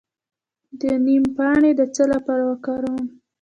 د نیم پاڼې د څه لپاره وکاروم؟